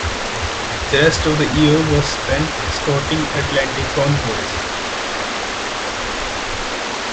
The rest of the year was spent escorting Atlantic convoys.